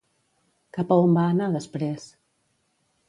Cap a on va anar després?